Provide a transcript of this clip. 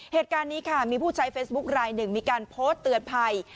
เหตุการณ์นี้ค่ะมีผู้ใช้เฟซบุ๊คลายหนึ่งมีการโพสต์เตือนภัย